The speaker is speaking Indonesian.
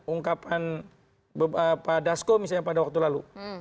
ungkapan pak dasko misalnya pada waktu lalu